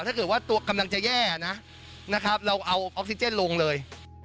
ถ้าเกิดว่ากำลังจะแย่นะเราเอาออกซิเจนลงเลย